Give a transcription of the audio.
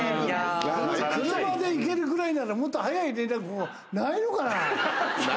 車で行けるくらいなら、もっと早い連絡方法ないのかな。